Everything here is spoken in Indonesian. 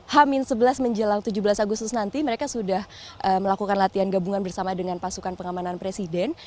hamin sebelas menjelang tujuh belas agustus nanti mereka sudah melakukan latihan gabungan bersama dengan pasukan pengamanan presiden